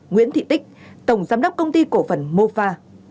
nguyễn thị tích tổng giám đốc công ty cổ phần mofa